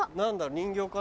人形かな？